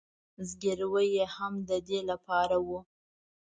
زګیروي یې هم د دې له پاره و.